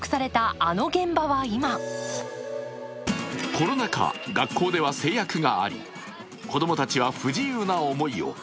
コロナ禍、学校では制約があり子供たちは不自由な思いを。